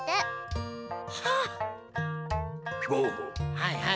はいはい。